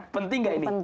penting gak ini